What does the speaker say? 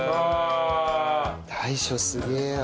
大将すげえわ。